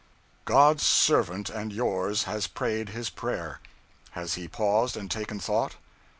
"God's servant and yours has prayed his prayer. Has he paused and taken thought?